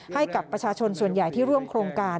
ให้กับประชาชนส่วนใหญ่ที่ร่วมโครงการ